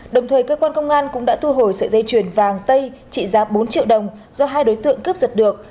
đồng thời cơ quan công an cũng đã thu hồi sợi dây chuyền vàng tây trị giá bốn triệu đồng do hai đối tượng cướp giật được